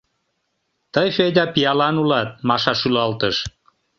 — Тый, Федя, пиалан улат, — Маша шӱлалтыш.